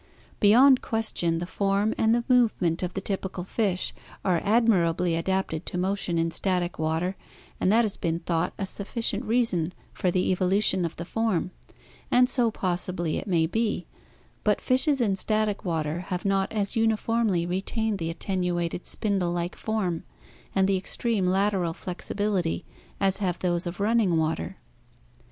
Beyond question the form and the movement of the typical fish are admirably adapted to motion in static water and that has been thought a sufficient reason for the evolution of the form, and so possibly it may be, but fishes in static water have not as uniformlv retained the at tenuated spindle like form and the extreme lateral flexibility as have those of running water.